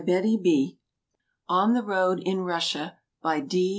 EUROPE On the Road in Russia By D.